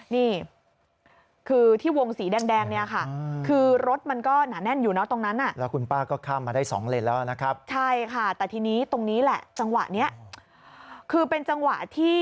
นี่คือที่วงสีแดงนี่ค่ะ